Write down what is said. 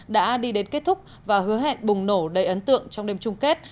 đã đi đến kết thúc và hứa hẹn bùng nổ đầy ấn tượng trong đêm chung kết